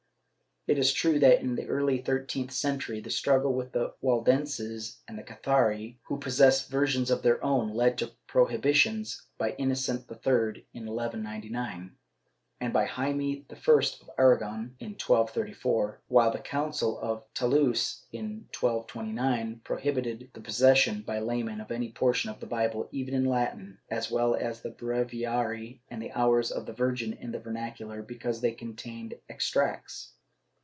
It is true that, in the early thirteenth century, the struggle with the Waldenses and the Cathari, who possessed versions of their own, led to prohibitions by Innocent III, in 1199, and by Jaime I of Aragon in 1234, while the Council of Toulouse, in 1229, prohibited the possession by laymen of any portion of the Bible, even in Latin, as well as of the Breviary and Hours of the Virgin in the vernacular, because they contained extracts.